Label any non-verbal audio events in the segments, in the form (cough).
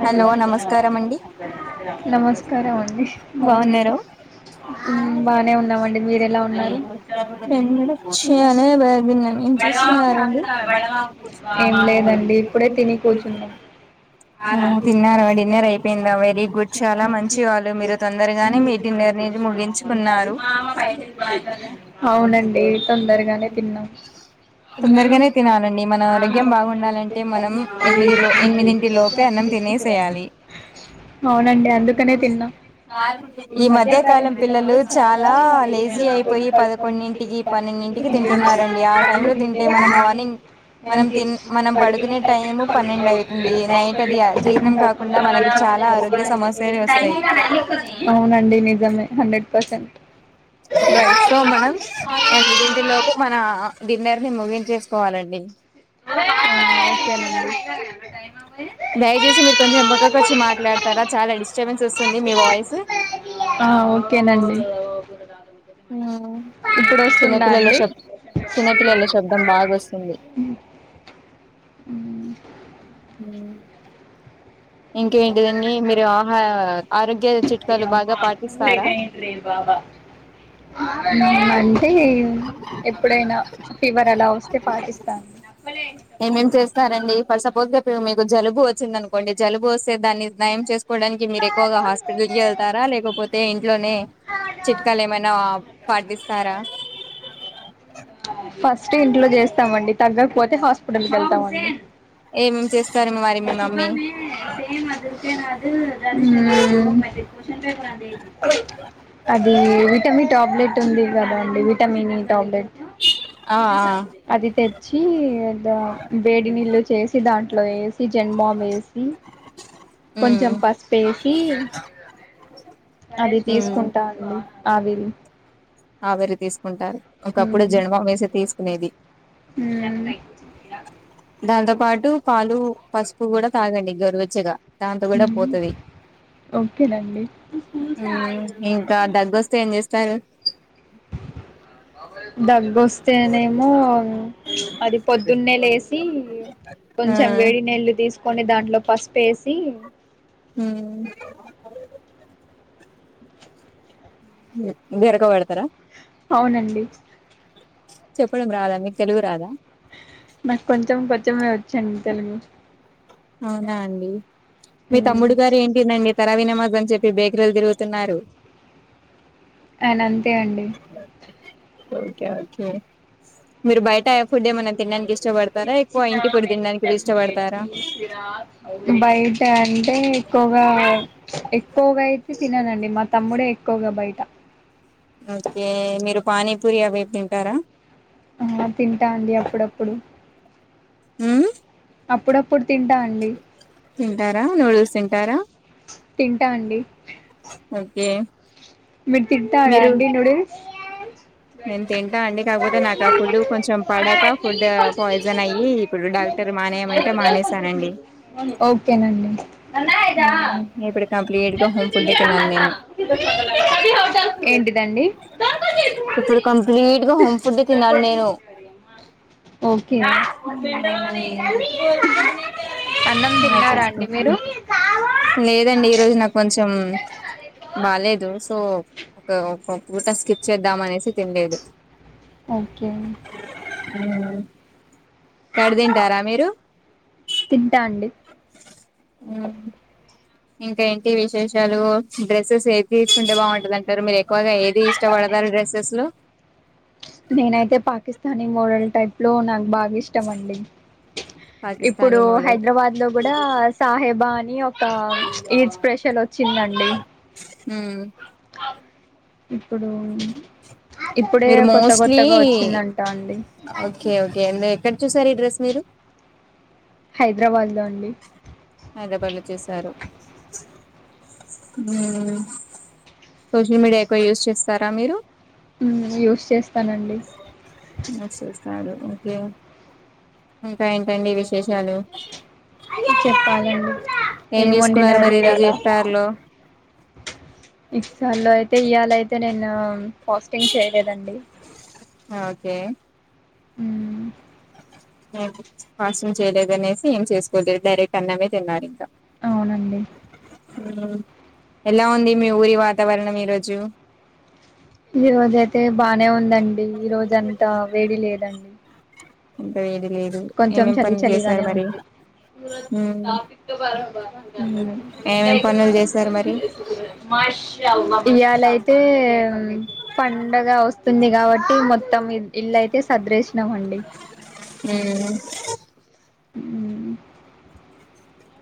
Hello నమస్కారం అండి నమస్కారం అండి బాగున్నారా బాగున్యాను బానే ఉన్నామండి, మీర ఎలా ఉన్నారు. చాలా బాగున్నాం ఏం చేస్తున్నారండి ఏం లేదండి ఇప్పుడే తిని కూర్చున్న తిన్నారా డిన్నర్ అయిపోయిందా వెరీ గుడ్ చాలా మంచి వాళ్ళు మీరు కానీ తొందరగానే మీ పిల్లలు డిన్నర్. డిన్నర్ అనేది తెలుసుకున్నారు ముగించుకున్నారు అవునండి తొందరగానే తిన్నాం తొందరగానే తినాలండి మన ఆరోగ్యం బాగుండాలంటే మనం ఎనిమిది లో అన్ని తొమ్మిది ఎనిమిదింటి లోపు లోపే అన్నం తినేసేయాలి అవునండి అందుకనే తిన్నాం నా ఈ మధ్య మధ్యకాలం కాలం పిల్లలు పిల్లాలు చాలా లేజీ అయిపోయి మడుకంటి పదకొండింటికి ప పన్నెండింటికి తింటున్నారండి ఆ టైమ్ లో తింటే తింటే మనం మార్నింగ్ మనం తిన్ మనం పడిగిన పడుకునే (inaudible) టైము పన్నెండు అవుతుంది నైట్ అది జీర్ణం కాకుండా మనకి చాలా ఆరోగ్య సమస్యలు వస్తాయి అవునండి నిజమే హండ్రెడ్ పర్సెంట్ రైట్ సో మనం ఎనిమిదిటిలోపు మన డిన్నర్ని ముగించే కోవాలండి (inaudible) దయచేసి మీరు కొంచెం పక్కకి వచ్చి మాట్లాడతారా చాలా డిస్టర్బెన్స్ వస్తుంది మీ వాయిస్ ఆ ఓకేనండి ఉమ్ ఇప్పుడు వస్తుందా చిన్నపిల్లల అండి శబ్ చిన్నపిల్లల శబ్దం బాగొస్తుంది ఉమ్ ఇంకేంటిదన్నీ మీరు ఆహ ఆరోగ్య చిట్కాలు బాగా పాటిస్తారా ఆ అంటె ఎప్పుడైనా ఫీవర్ అలా వస్తే పాటిస్తాను చేస్తారండి తేడు మీకు జలుబు వచ్చింది అనుకోండి జలుబు వస్తే దాన్ని నయం చేసుకోవడానికి మీరు ఎక్కువగా హాస్పిటల్ కె ళ్తారా లేకపోతే ఇ ఇంట్లోనే చిట్కాలు ఏమైనా పాటిస్తారా ఫస్ట్ ఇంట్లో చేస్తామండి తగ్గకపోతే హాస్పిటల్కి వెళ్తామండి ఏమేమి చేస్ సుగమే సేమ్ అదికే నా అన్ పేప అది అది విటమిన్ టాబ్లెట్ ఉంది కదా అండి విటమిన్ ఈ టాబ్లెట్ ఆ ఆ అది తెచ్చి వేడి నీళ్ళు చేసి దాంట్లో వేసి జండుబామ్ వేసి ఉమ్ కొంచెం పసుపు వేసి అది ఉమ్ తీసుకుంటంఅండి ఆవిరి ఆవిరి తీసు కుంటారు ఒకప్పుడు మ్మ్ జన్డుబామ్ వేసి తీసుకునేది మ్మ్ దాంతో పాటు పాలు పసుపు కూడా తాగండి గోరువెచ్చగా దాంతో కూడా మ్మ్ పోతది ఓకేనండి ఉమ్ ఇంకా దగ్గొస్తే ఏం చేస్తారు (inaudible) దగ్గొస్తేనేమో అది పొద్దున్నే లేసి ఆ కొంచెం వేడి నీళ్ళు తీసుకొని దాంట్లో పసుపు వేసి ఊ గరక వెడతారా అవునండి చెప్పడం రాదా మీకు తెలుగు రాదా నాకు కొంచెం కొంచెమే వచ్చండి తెలుగు అవునా అండి మీ తమ్ముడు మ్మ్ గారు ఏంటిదండి తెరావిన మ దని చెప్పి బేకరీలు తిరుగుతున్నారు ఆయన అంతే అండి ఓకే ఓకే మీరు బయట యే ఫుడ్డ ఏమన తినడానికి ఇష్టపడతారా ఎక్కువ ఇంటి ఫూడ్ తినడానికి ఇష్టపడతారా బయట అంటే ఎక్కువగా ఎక్కువగా అయితే తిననండి మా తమ్ముడే ఎక్కువగా బయట ఓకే మీరు పానీపూరి అవి తింటారా ఆ తింటా అండి అప్పుడప్పుడు హ్మ్మ్ అప్పుడప్పుడు తింటా అండి తింటారా నూడిల్స్ తింటారా తింటా అండి ఓకే మీర్ తింటారా మీరు అండి నూడిల్స్ (inaudible) నేను తింటా అండి కాకపోతే నాకు ఆ ఫుడ్ కొంచెం పడక ఫుడ్ పాయిజన్ అయ్యి ఇప్పుడు డాక్టర్ మానేయమంటే మానేసానండి ఓకేనండి ఇప్పుడు కంప్లీట్ గా హోమ్ ఫుడ్ తినాలి నేను ఏంటిదండి ఇప్పుడు కంప్లీట్ గా హోమ్ ఫుడ్ తినలి నేను ఓకే అన్నం అలా తిన్నారా అండి చేసుకుంటా మీరు లేదండి ఈరోజు నాకు కొంచెం బాలేదు సో ఒక ఒక పూట స్కిప్ చేద్దాం అనేసి తిన్లేదు ఓకే హ్మ్మ్ కఢ్ తింటారా మీరు తింటా అండి ఇంకా ఏంటి విశేషాలు డ్రెస్సెస్ ఏది తీసుకుంటే బాగుంటదింటారు మీరు ఎక్కువగా ఏది ఇష్టపడ డ్రెస్సెస్ లో నేనైతే పాకిస్తానీ మోడల్ టైప్ లో నాకు బాగా ఇష్టం అండి ఇప్పుడు పాకిస్తానీ మోడల్ హైదరాబాద్ లో కూడా సాహెబా అని ఒక ఈద్ స్పెషల్ వచ్చ చిదండి హ్మ్మ్ ఇప్పుడు ఇప్పుడే మీరు కొత్త మోస్ట్లీ కొత్తగా వచ్చిందంటా అండి ఓకే ఓకే అ ఎక్కడ చూసారు ఈ డ్రెస్ మీరు హైదరాబాద్ లో అండి హైదరాబాద్లొ చేసారు సోషల్ మీడియా ఎక్కువ యూజ్ చేస్తారా మీరు యూస్ చేస్తానండి యూజ్ ఓకే ఇంకా ఏంటండి విశేషాలు చెప్పాలండి ఏం చేసుకున్నారు వండినరు మరి ఈరోజు ఇయల ఇఫ్తార్ లో ఇ చలో ఇయాలయితే నేను పస్టింగ్ చేయలేదండి ఓకే హ్మ్మ్ కాస్టూమ్ చేయలేదు అనేసి ఏం చేసుకోలేదు డైరెక్ట్ అన్నమే తిన్నారు ఇంకా అవునండి ఎలా ఉంది మీ ఊరి వాతావరణం ఈరోజు ఈ రోజయితే బానే ఉందండి ఈ రోజ అంతా వేడి లేదండి అంత వేడి లేదు కొంచెం ఏమేం చలి పనులు చేశారు చలిగానే మరి ఉంది (unintelligible) ఏమేం పనులు చేశారు మరి ఇవాళయితే పండగ వస్తు స్తుంది కాబట్టి మొత్తం ఇల్లు అయితే సదిరేసినాము అండి హ్మ్మ్ హ్మ్మ్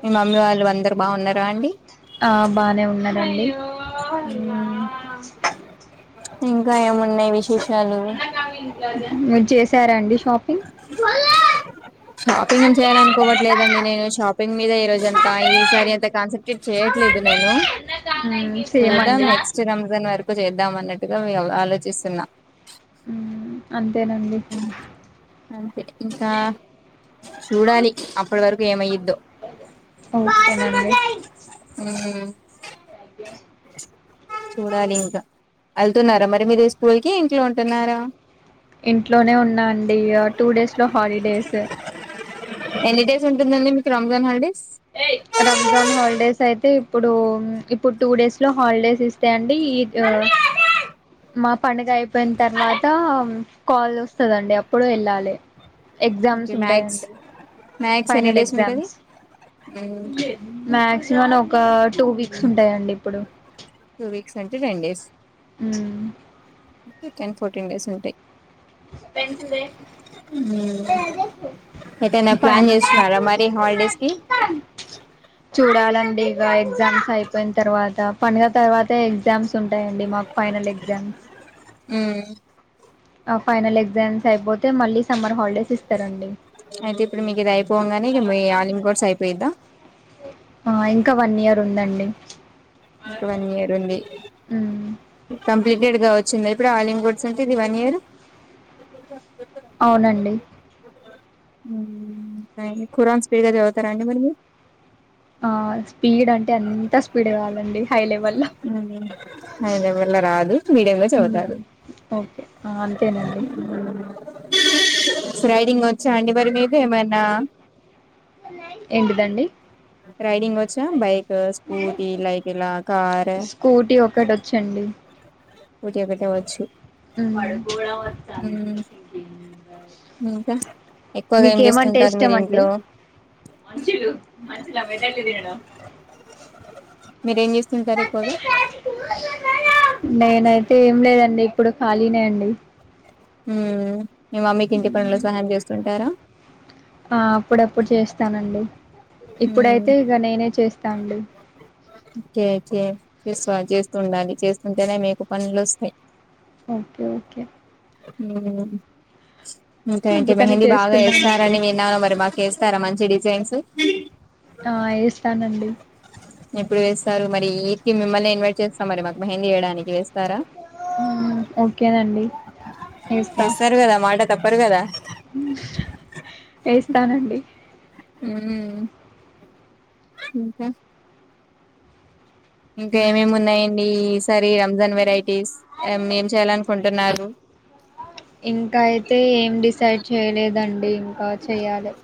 మీ మమ్మీ వాళ్ళు అందరు బాగున్నారా అండి ఆ బానే ఉన్నారాండి ఇంకా ఏమ మీరు చేసారండి షాపింగ్ చేయాలనుకోవట్లేదండి నేను షాపి ప్పంగ్ మీద ఈ రోజ అంతా ఈ సారి అంత కాన్సన్ట్రేట్ చేయట్లేదు నేను సేమ్ చూదాం అండి నెక్స్ట్ ఇ రంజాన్ వరకు చేద్దాం అన్నట్టుగా ఆలోచిస్తున్నా అంతేనండి అంతే ఇంకా చూడాలి అప్పటి వరకు ఏమయ్యదుో ఓకేడి చూడాలి ఇంకా వెళ్తున్నారా మరి మీరు స్కూల్ క ఇంట్లో ఉంటున్నారా ఇంట్లోనే ఉన్నా అండి టూ డేస్ లో హాలిడేస్ ఎన్ని డేస్ ఉంటుందండి మీకు రంజాన్ హల్డీస్ రంజాన్ హాలిడేస్ అయితే ఇప్పుడు ఇప్పుడు టూ డేస్ లో హాలిడేస్ ఇస్తాయంండి ఈ మా పండుగ అయిపోయిన తర్వాత కాల్ వస్తదండి అప్పుడు వెళ్ళాలి ఎగ్జామ్స్ ఓకే మ్యాక్స్ ఉంటాయండి ఫైనల్ ఎగ్జామ్స్ అ మాక్సిమం ఒక టూ వీక్స్ ఉంటాయంండి ఇప్పుడు టూ వీక్స్ అంటే టెన్ డేస్ అ టెన్ ఫోర్టీన్ డేస్ ఉంటాయి పెన్సదే అద ఎటైనా ప్లాన్ చేస్తున్నారా మరి హాలిడేస్ కి ప చూడాలండి ఇక ఎగ్జామ్స్ అయిపోయిన తర్వాత పండుగ తర్వాతే ఎగ్జామ్స్ ఉంటాయండి మాకు ఫైనల్ ఎగ్జామ్స్ అ ఆ ఫైనల్ ఎగ్జామ్స్ అయిపోతే మళ్ళీ సమ్మర్ హాలిడేస్ ఇస్తారండి అయితే ఇప్పుడు మీకు ఇది అయిపోవ గాని ఇక మీ ఆలిమ్ కోడ్స్ అయిపోయిద్దా ఆ ఇంకా వన్ ఇయర్ ఉందండి ఇకు వన్ ఇయర్ ఉంది ఉమ్ కంప్లీటెడ్ గా వచ్చిందా ఇప్పుడు ఆలింగ్ కోడ్స్ అంటే ఇది వన్ ఇయర్ అవునండి అ ఖురాన్ స్పీగాది చవుతారా అండి మరి మీరు ఆ స్పీడ్ అంటే ఎంత స్పీడ్ కాదండి హై లెవెల్ లో అదవల రా మీడియ ఉమ్ చదుతారు ఓకే ఆ అంతేనండి ర్రైడింగ్ వచ్చా అండి మీద ఏమనా ఏంటిదండి రైడింగ్ వచ్చా బైక్ స్కూటీ లైకిలా కార్ స్కూటీ ఒకటి వచ్చండి స్కూటీ ఒకరే వచ్చు మడ గోళ వ చాలుంది హ్మ్ ఇంకా ఎక్కువగా ఏం చేస్తుంటారు, మీరు ఇంట్లో మంచిలు మంచించిలు మదంటది నడం (unintelligible) చేస్తుంటారు ఎక్కువగా నేనైతే ఏం లేదండి, ఇప్పుడు ఖాళీనే అండి ఉ మీ మమ్మీకి ఇంటి పనుల్లో సహాయం చేస్తుంటారా, ఆ అప్పుడప్పుడు చేస్తానండి హ్మ్ ఇప్పుడైతే ఇక నేనే చేస్తాండి, చే చే చేసుకోవలి చేస్తూ ఉండాలి, చేస్తుంటేనే మీకు పనులు వస్తాయి, ఓకే ఓకే ఉ ఇంకా ఏంటి అందుకని మెహందీ చేస్తున్నానండి బాగాేస్తారని విన్నాను మరి మాకు వేస్తారా, మంచి డిజైన్స్ ఆ ఏస్తానండి ఎప్పుడు వేస్తారు మరి ఇంటికి మిమ్మల్ని ఇన్వైట్ చేస్తాం, మరి మాకు మహందీ వేయడానికి వేస్తారా, ఓకేనండి వేస్తా తప్పదు కదా వేస్తానండి మ్మ్ ఇంకా ఇంకా ఏమేమి ఉన్నాయండి, ఈ సారి రంజాన్ వెరైటీస్ ఏం ఏం చేయాలనుకుంటున్నారు రు ఇంకా అయితే ఏం డిసైడ్ చేయలేదండి, ఇంకా చెయ్యాలి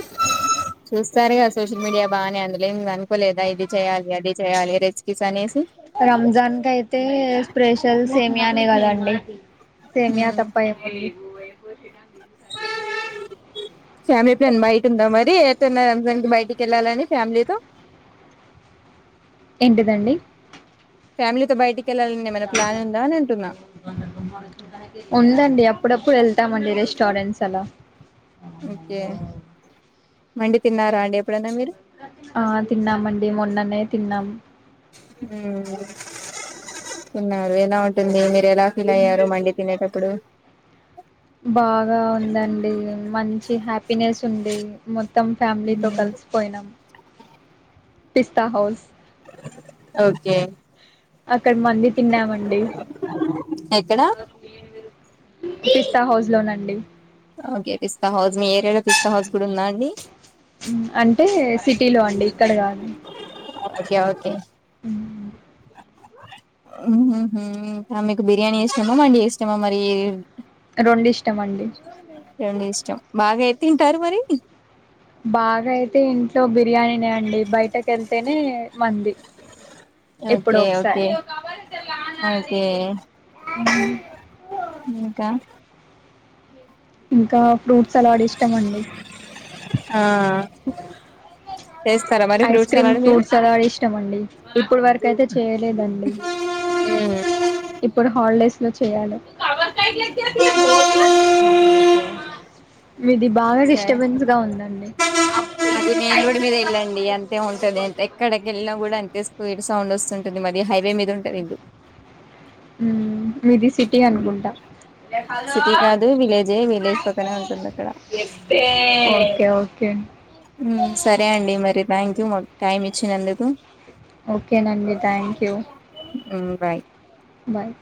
(unintelligible) చూసారుగా సోషల్ మీడియా బాగానే అందులో ఏమి అనుకోలేదా, ఇది చేయాలి అది చేయాలి రెసీపీస్ అనేసి రంజాన్ క అయితే స్పెషల్ సేమ్యా నే కదండి సేమ్యా ఉమ్ తప్ప ఏముంది ఫ్యామిలి ప్లాన్ బయట ఉందా మరి ఏ ళ్తూన్నార రంజాన్ కి బయటికి వెళ్ళాలని ఫ్యామిలీతో ఎంటిదండి ఫ్యామిలీతో బయటికి వెళ్ళాలని ఏమైనా ప్లాన్ ఉందా అని అంటున్నా ఉందండి అప్పుడప్పుడు వెళ్తామండి రెస్టార్ట్ ఫ్రెండ్స్ అలా ఓకే మండి తిన్నారా, అండి ఎప్పుడన్నా మీరు ఆ తిన్నామండి, మొన్ననే తిన్నాం మ్మ్ ఇంగ (unintelligible) ఉంటుంది, మీరు ఎలా ఫీల్ అయ్యారు మండి తినేటప్పుడు, బాగా ఉందండి మంచి హ్యాపీనెస్ ఉండేది, మొత్తం ఫ్యామిలీతో కలి సి పోయినాం పిస్తా హౌస్ ఓకే అక్కడ మండి, తిన్నాం అండి ఎక్కడ పిస్తా హౌస్ లోనండి ఓకే పిస్తా హౌస్, మీ ఏరియాలో పిస్తా హౌస్ కూడా ఉంద అండి మ్మ్ అంటే సిటీలో, అండి ఇక్కడ కాదు ఓకే ఓకే మ్మ్ హ్మ్ హు ఇంకా మీకు బిర్యానీ ఇష్టమా, మండీ ఇష్టమా మరి రొండు ఇష్టం అండి రెండు ఇష్టం బాగా ఏది తింటారు, మరి బాగా అయితే ఇంట్లో బిర్యానీనే అండి, బయటకి వెళ్తేనే మండి, ఓకే ఓకే ఓకే ఇంకా ఇంకా ఫ్రూట్స్ సలాడ్ ఇష్టం అండి ఆ చేస్తారా మరి ఐస్ ఫ్రూట్స్ క్రీమ్ సలాడ్ మీరు ఫ్రూట్ సలాడ్ ఇష్టం అండి ఇప్పుడు వరకు అయితే చేయలేదండి మ్మ్ ఇప్పుడు హాలిడేస్ చెయ్యాలే మీది బాగా సరే డిస్టర్బెన్స్గా ఉందండి డి అంతే ఉంటది అంత ఎక్కడకి వెళ్ళినా కూడా అంతే (unintelligible) సౌండ్ వస్తుంటది మాది హైవే మీద ఉంటది ఇండ్లు మ్మ్ మీది సిటీ అనుకుంటా సిటీ కాదు విలేజే విలేజ్ పక్కనే ఉంటుంది అక్కడ ఓకే ఓకే మ్మ్ సరే అండి మరి థ్యాంక్ యూ మాకు టైమ్ ఇచ్చినందుకు ఓకే నండి థ్యాంక్ యూ బాయ్ బాయ్